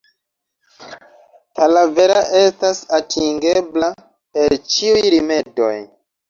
Talavera estas atingebla per ĉiuj rimedoj.